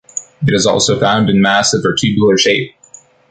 It is also found in massive or tubular shape.